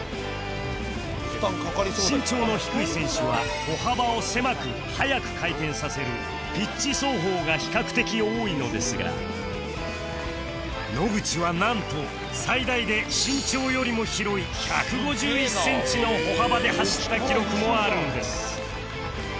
身長の低い選手は歩幅を狭く速く回転させるピッチ走法が比較的多いのですが野口はなんと最大で身長よりも広い１５１センチの歩幅で走った記録もあるんです